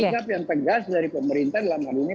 sikap yang tegas dari pemerintah dalam hal ini